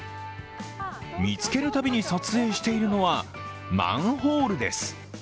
見つけるたびに撮影しているのはマンホールです。